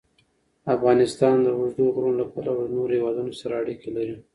افغانستان د اوږده غرونه له پلوه له نورو هېوادونو سره اړیکې لري.